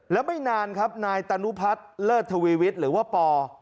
แล้วไม่นานครับนายตานุพัฒน์เลิศทวีวิทย์หรือว่าปอ